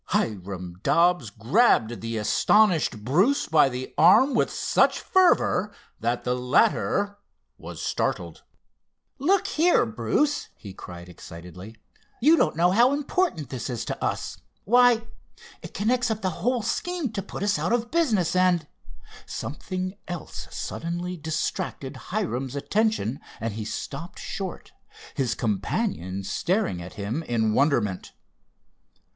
Hiram Dobbs grabbed the astonished Bruce by the arm with such fervor that the latter was startled. "Look here, Bruce," he cried excitedly, "you don't know how important this is to us. Why, it connects up the whole scheme to put us out of business, and——" Something else suddenly distracted Hiram's attention and he stopped short, his companion staring at him in wonderment.